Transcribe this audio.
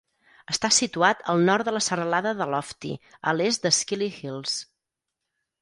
Està situat al nord de la serralada de Lofty, a l'est de Skilly Hills.